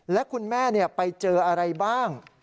และคุณแม่ไปเจออะไรบ้าง